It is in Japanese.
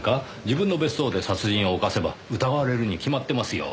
自分の別荘で殺人を犯せば疑われるに決まってますよ。